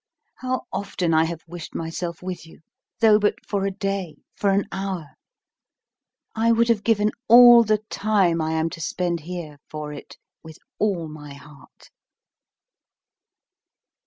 How often I have wished myself with you, though but for a day, for an hour: I would have given all the time I am to spend here for it with all my heart.